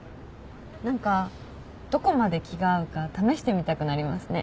何かどこまで気が合うか試してみたくなりますね。